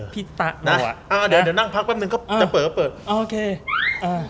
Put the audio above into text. พี่ตาค่ะเดี๋ยวนั่งพักแปอบนึงค่ะสวัสดีครับ